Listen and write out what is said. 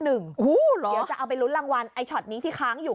เดี๋ยวจะเอาไปลุ้นรางวัลไอ้ช็อตนี้ที่ค้างอยู่